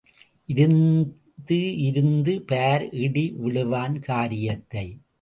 இருந்து இருந்து பார், இடி விழுவான் காரியத்தை.